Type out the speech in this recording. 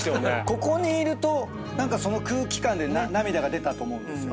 ここにいるとその空気感で涙が出たと思うんですよ。